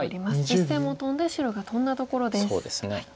実戦もトンで白がトンだところです。